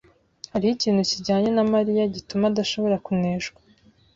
Hariho ikintu kijanye na Mariya gituma adashobora kuneshwa.